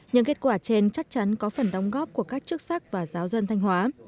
những kết quả trên chắc chắn có phần đóng góp của các chức sắc và giáo dân thanh hóa